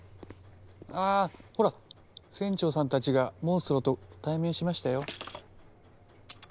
あほら船長さんたちがモンストロと対面しましたよ。